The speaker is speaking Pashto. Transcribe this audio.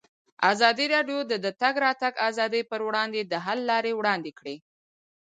ازادي راډیو د د تګ راتګ ازادي پر وړاندې د حل لارې وړاندې کړي.